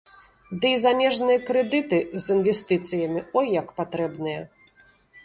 Дый замежныя крэдыты з інвестыцыямі ой як патрэбныя.